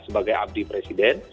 sebagai abdi presiden